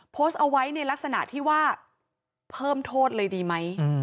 โพสต์เอาไว้ในลักษณะที่ว่าเพิ่มโทษเลยดีไหม